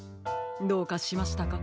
どうかしましたか？